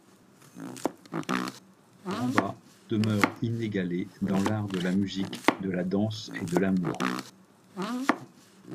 Rambha demeure inégalée dans l'art de la musique, de la danse et de l'amour.